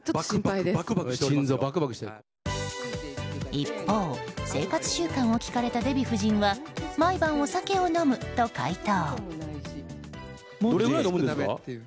一方、生活習慣を聞かれたデヴィ夫人は毎晩お酒を飲むと回答。